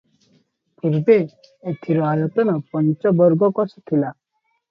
ପୂର୍ବେ ଏଥିର ଆୟତନ ପଞ୍ଚବର୍ଗକୋଶ ଥିଲା ।